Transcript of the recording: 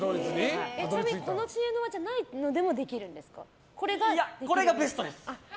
ちなみにこの知恵の輪じゃないのでもこれがベストです。